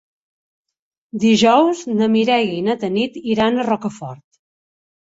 Dijous na Mireia i na Tanit iran a Rocafort.